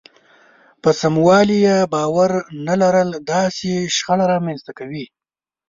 په سموالي يې باور نه لرل داسې شخړه رامنځته کوي.